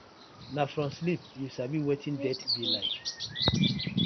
Na from sleep yu sabi wetin death bi like.